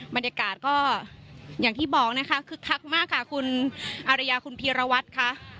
บรรยากาศก็อย่างที่บอกนะคะคึกคักมากค่ะคุณอารยาคุณพีรวัตรค่ะ